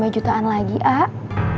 lima jutaan lagi ah